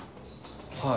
はい。